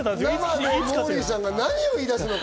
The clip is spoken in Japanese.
モーリーさんが何を言い出すのか。